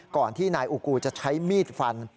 ก่อนที่นายอูกูจะใช้มีดฟัน